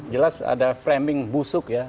jelas ada framing busuk ya